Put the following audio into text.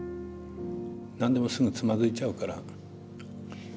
何でもすぐつまずいちゃうから。